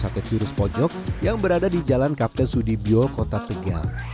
sate tirus poyok yang berada di jalan kapten sudibyo kota tegal